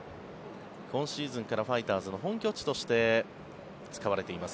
今シーズンからファイターズの本拠地として使われています